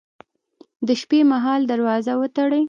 د شپې مهال دروازه وتړئ